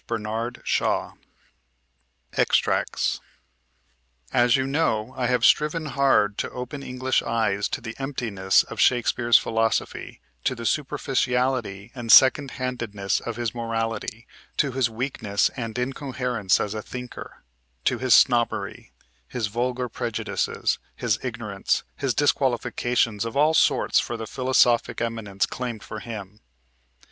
BERNARD SHAW (Extracts) As you know, I have striven hard to open English eyes to the emptiness of Shakespeare's philosophy, to the superficiality and second handedness of his morality, to his weakness and incoherence as a thinker, to his snobbery, his vulgar prejudices, his ignorance, his disqualifications of all sorts for the philosophic eminence claimed for him....